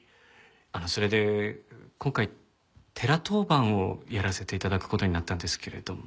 あのそれで今回寺当番をやらせて頂く事になったんですけれども。